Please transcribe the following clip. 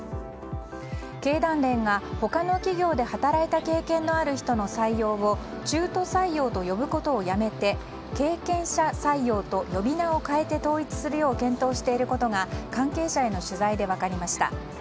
経団連が、他の企業で働いた経験のある人の採用を中途採用と呼ぶことをやめて経験者採用と呼び名を変えて統一するよう検討していることが関係者への取材で分かりました。